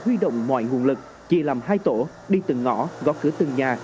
huy động mọi nguồn lực chỉ làm hai tổ đi từng ngõ góc khử từng nhà